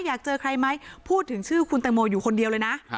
อยากเจอใครไหมพูดถึงชื่อคุณแตงโมอยู่คนเดียวเลยนะ